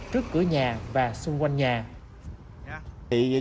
trước cửa nhà và xung quanh nhà